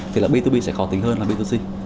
thì b hai b sẽ khó tính hơn b hai c